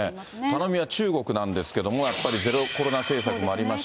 頼みは中国なんですけど、やっぱりゼロコロナ政策もありました。